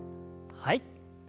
はい。